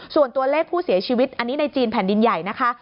ส่วนตัวเลขผู้เสียชีวิตอันนี้ในจีนแผ่นดินใหญ่นะคะ